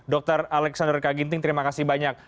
dr alexander kaginting terima kasih banyak